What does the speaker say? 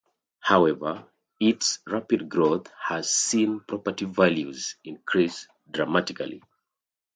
However, its rapid growth has seen property values increase dramatically.